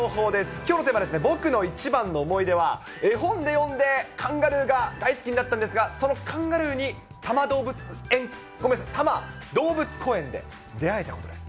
きょうのテーマは、僕の一番の思い出は、絵本で読んでカンガルーが大好きになったんですが、そのカンガルーに多摩動物公園で出会えたことです。